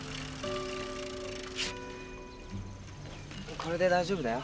これで大丈夫だよ。